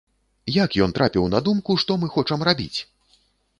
Як ён трапіў на думку, што мы хочам рабіць?!